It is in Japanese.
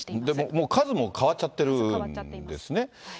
でも、数も変わっちゃってるんですね。